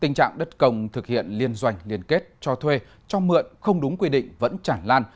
tình trạng đất công thực hiện liên doanh liên kết cho thuê cho mượn không đúng quy định vẫn chản lan